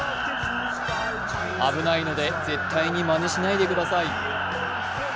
危ないので絶対にまねしないでください。